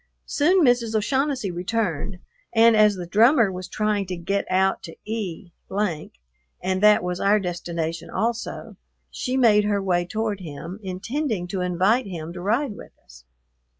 Soon Mrs. O'Shaughnessy returned, and as the drummer was trying to get out to E , and that was our destination also, she made her way toward him, intending to invite him to ride with us.